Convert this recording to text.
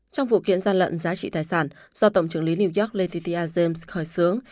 trong vụ kiện gian lận giá trị tài sản do tổng trưởng lý new york latifiyah james khởi xướng